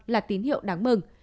là tín hiệu đáng mừng